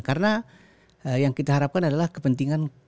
karena yang kita harapkan adalah kepentingan